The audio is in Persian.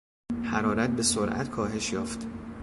حرارت به سرعت کاهش یافت.